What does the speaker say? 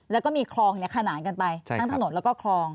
แล้วก็มีคลองขนานกันไปทั้งถนนแล้วก็คลอง